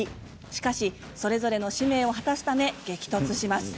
しかし、それぞれの使命を果たすため激突します。